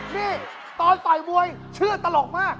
นี่ตอนต่อยมวยชื่อตลกมาก